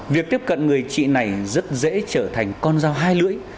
việc tiếp cận người chị này rất dễ trở thành con dao hai lưỡi